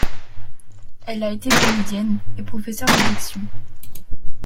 Elle a été comédienne et professeur de diction.